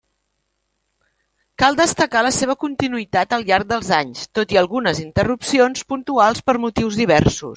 Cal destacar la seva continuïtat al llarg dels anys, tot i algunes interrupcions puntuals per motius diversos.